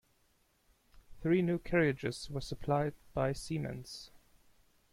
Three new carriages were supplied by Siemens.